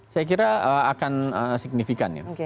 saya kira akan signifikan ya